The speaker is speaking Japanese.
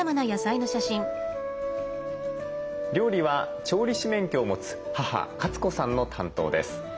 料理は調理師免許を持つ母カツ子さんの担当です。